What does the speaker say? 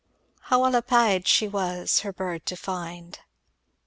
How well appaid she was her bird to find.